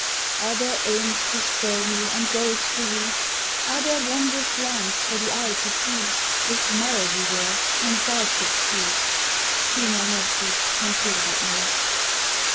_ Are there aims to spur me and goals to reach, Are there wondrous lands for the eye to see, Is melody there and dulcet speech? _Timor mortis conturbat me.